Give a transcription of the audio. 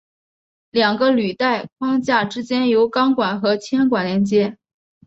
两个履带框架之间由钢管和铅管连接。